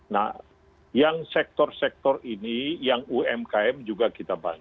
nah yang sektor sektor ini yang umkm juga kita bantu